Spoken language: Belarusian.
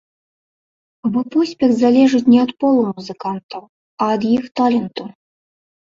Бо поспех залежыць не ад полу музыкантаў, а ад іх таленту.